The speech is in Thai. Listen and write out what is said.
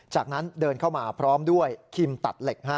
จากนั้นเดินเข้ามาพร้อมด้วยคิมตัดเหล็ก